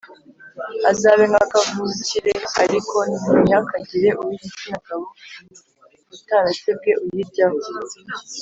Azabe nka kavukire ariko ntihakagire uw’igitsina gabo utarakebwe uyiryaho